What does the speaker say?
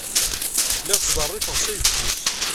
Lliɣ ttḍerrifeɣ s ayeffus.